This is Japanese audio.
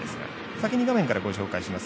先に画面からご紹介します。